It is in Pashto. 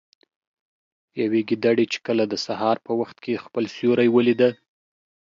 يوې ګيدړې چې کله د سهار په وخت كې خپل سيورى وليده